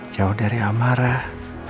jauh dari amarah